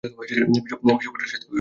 বিষপাত্রের সাথে বিড়ালের।